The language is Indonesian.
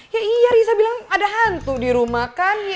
ya iya riza bilang ada hantu di rumah kan